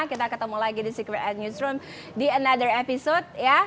kita ketemu lagi di secret ad newsroom di another episode ya